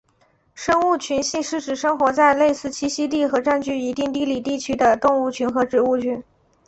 生物群系是指生活在类似栖息地和占据一定地理地区的动物群和植物群。